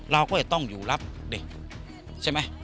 เราก็จะต้องอยู่รับเด็กใช่ไหม